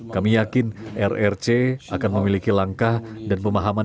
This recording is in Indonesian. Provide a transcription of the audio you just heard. kami yakin rrc akan memiliki langkah dan pemahaman